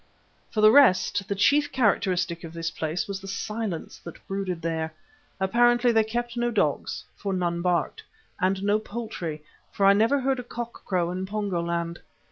For the rest, the chief characteristic of this place was the silence that brooded there. Apparently they kept no dogs, for none barked, and no poultry, for I never heard a cock crow in Pongo land.